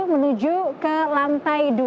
menuju ke lantai dua